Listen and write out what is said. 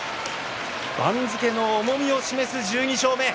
番付の重みを示す１２勝目。